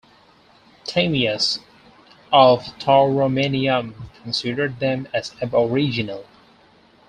Timaeus of Tauromenium considered them as aboriginal.